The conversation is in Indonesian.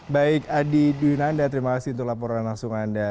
baik adi dwinanda terima kasih untuk laporan langsung anda